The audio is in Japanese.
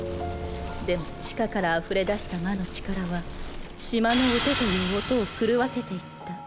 でも地下からあふれ出した魔の力は島の音という音を狂わせていった。